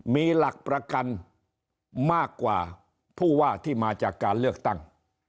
มีหลักประกันมากกว่าผู้ว่าที่มาจากการเลือกตั้ง